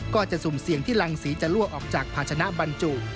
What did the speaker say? สุ่มเสี่ยงที่รังสีจะลั่วออกจากภาชนะบรรจุ